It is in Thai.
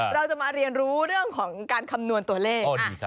เราจะมาเรียนรู้เรื่องของการคำนวณตัวเลข